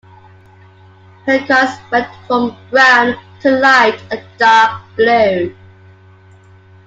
Her colors went from brown, to light and dark blue.